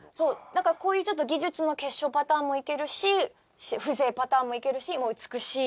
だからこういうちょっと技術の結晶パターンもいけるし風情パターンもいけるし美しいという。